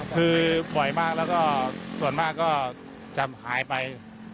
คือบ่อยมากแล้วก็ส่วนมากก็จะหายไป